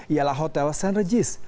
ialah hotel saint regis